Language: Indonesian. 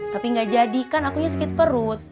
tapi gak jadi kan akunya sakit perut